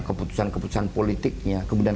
keputusan keputusan politiknya kemudian